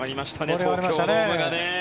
東京ドームがね。